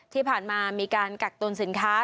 ที่ผ่านมามีการกักตุลสินค้า